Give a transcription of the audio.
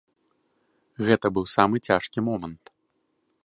Гэта быў самы цяжкі момант.